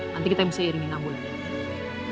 nanti kita bisa iringin ambulan